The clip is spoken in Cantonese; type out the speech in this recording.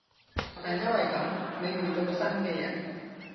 但因為噉，你遇到新嘅人